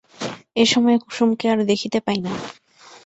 এ সময়ে কুসুমকে আর দেখিতে পাই না।